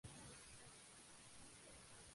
Incluso algunos han sido objeto de estudio.